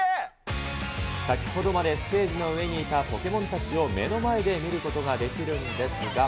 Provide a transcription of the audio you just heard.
先ほどまでステージの上にいたポケモンたちを目の前で見ることができるんですが。